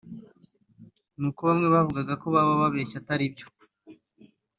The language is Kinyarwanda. ni uko bamwe bavugaga ko baba babeshya atari byo